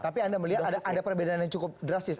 tapi anda melihat ada perbedaan yang cukup drastis